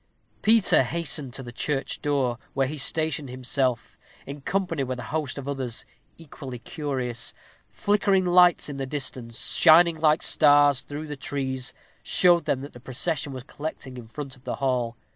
Peter hastened to the church door, where he stationed himself, in company with a host of others, equally curious. Flickering lights in the distance, shining like stars through the trees, showed them that the procession was collecting in front of the hall.